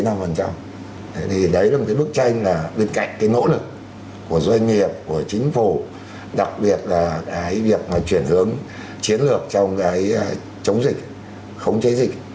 thế đấy là một cái bức tranh là bên cạnh cái nỗ lực của doanh nghiệp của chính phủ đặc biệt là cái việc mà chuyển hướng chiến lược trong cái chống dịch khống chế dịch